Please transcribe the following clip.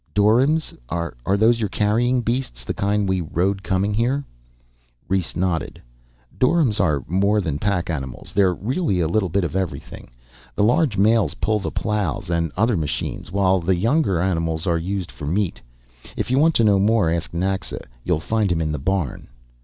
"Doryms? Are those your carrying beasts the kind we rode coming here?" Rhes nodded. "Doryms are more than pack animals, they're really a little bit of everything. The large males pull the ploughs and other machines, while the younger animals are used for meat. If you want to know more, ask Naxa, you'll find him in the barn."